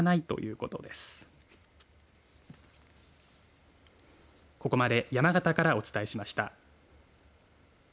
ここまで山形からお伝えしました。